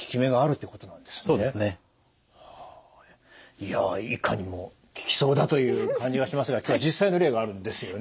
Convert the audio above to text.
いやいかにも効きそうだという感じがしますが今日は実際の例があるんですよね？